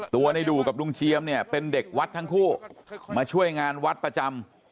ตัวในดูกับลุงเจียมเนี่ยเป็นเด็กวัดทั้งคู่มาช่วยงานวัดประจำ